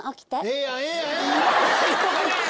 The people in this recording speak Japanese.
ええやんええやん！